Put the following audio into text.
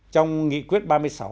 trong nghị quyết ba mươi sáu